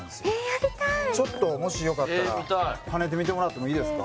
やりたいちょっともしよかったら跳ねてみてもらってもいいですか